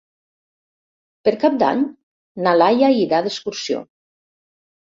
Per Cap d'Any na Laia irà d'excursió.